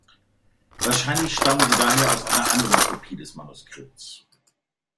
Wahrscheinlich stammen sie daher aus einer anderen Kopie des Manuskripts.